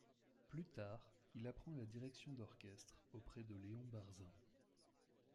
Plus tard, il apprend la direction d’orchestre auprès de Léon Barzin.